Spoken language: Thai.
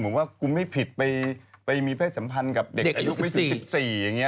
บอกว่ากูไม่ผิดไปมีเพศสัมพันธ์กับเด็กอายุไม่ถึง๑๔อย่างนี้